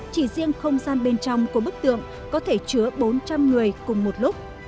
chỉ riêng không gian bên trong của bức tượng có thể chứa bốn trăm linh người cùng một lúc